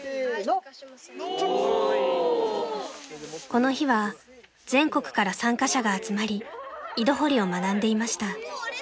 ［この日は全国から参加者が集まり井戸掘りを学んでいました］